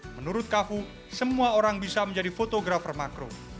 menurut kafu semua orang bisa menjadi fotografer makro